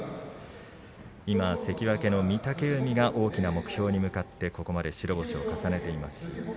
今、関脇の御嶽海が大きな目標に向かって、ここまで白星を重ねています。